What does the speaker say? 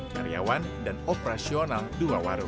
karyawan dan operasional dua warung